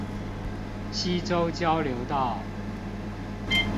溪洲交流道